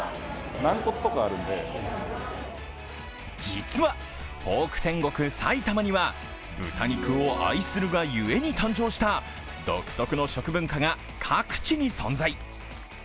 実はポーク天国・埼玉には豚肉を愛するがゆえに誕生した独特の食文化が各地に存在。